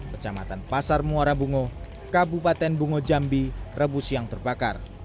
kecamatan pasar muara bungo kabupaten bungo jambi rabu siang terbakar